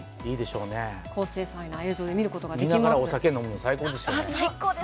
高精細な映像で見ることができます。